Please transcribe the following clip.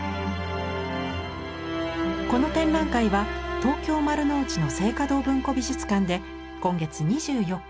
この展覧会は東京丸の内の静嘉堂文庫美術館で今月２４日まで。